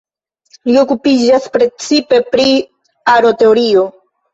Li okupiĝas precipe pri aroteorio.